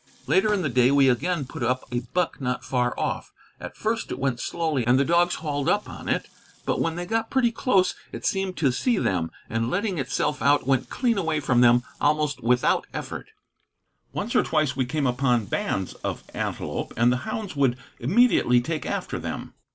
Later in the day we again put up a buck not far off. At first it went slowly, and the dogs hauled up on it; but when they got pretty close, it seemed to see them, and letting itself out, went clean away from them almost without effort. Once or twice we came upon bands of antelope, and the hounds would immediately take after them.